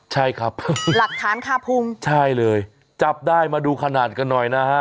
ใช่ครับหลักฐานคาพุงใช่เลยจับได้มาดูขนาดกันหน่อยนะฮะ